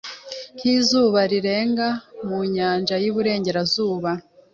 nkizuba rirenga mu nyanja yuburengerazuba